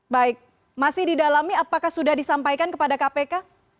baik masih didalami apakah sudah disampaikan kepada kpk